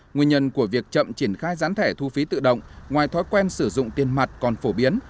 nguyên nhân của việc chậm triển khai gián thẻ thu phí tự động ngoài thói quen sử dụng tiền mặt còn phổ biến